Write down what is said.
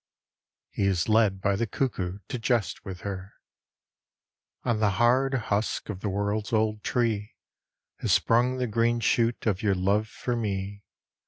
He is led by the Cuckoo to jest with Her O N the hard husk Of the world's old tree Has sprung the green shoot Of your love for me.